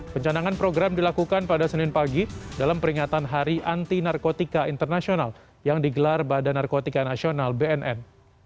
pencanangan program dilakukan pada senin pagi dalam peringatan hari anti narkotika internasional yang digelar badan narkotika nasional bnn